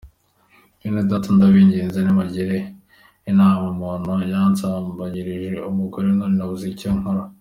Benedata ndabinginze nimungire inama umuntu yansambanyirije umugore none nabuze icyo nkora.